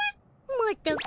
まったく。